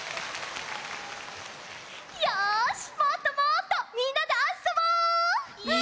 よしもっともっとみんなであっそぼ！はい。